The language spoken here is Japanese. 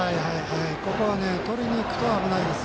ここはね、とりにいくと危ないです。